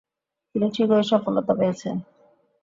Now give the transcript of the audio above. তিনি ঠিকই সফলতা পেয়েছেন।